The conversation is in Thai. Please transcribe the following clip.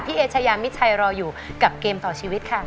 เอเชยามิชัยรออยู่กับเกมต่อชีวิตค่ะ